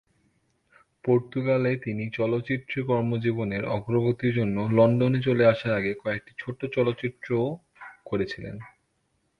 পর্তুগালে, তিনি চলচ্চিত্রে কর্মজীবনের অগ্রগতির জন্য লন্ডনে চলে আসার আগে কয়েকটি ছোট চলচ্চিত্রও করেছিলেন।